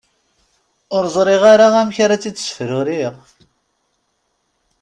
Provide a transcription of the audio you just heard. Ur ẓriɣ ara amek ara tt-id-ssefruriɣ?